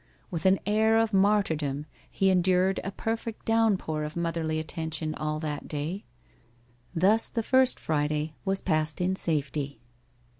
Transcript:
With an air of martyrdom he endured a perfect downpour of motherly attention all that day. Thus the first Friday was passed in safety.